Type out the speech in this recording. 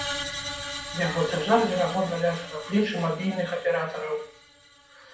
Яго цяжар верагодна ляжа на плечы мабільных аператараў.